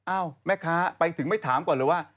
แม่ค้าไปถึงไม่ถามก่อนเลยว่า